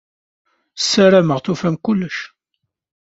Sarameɣ tufam kullec.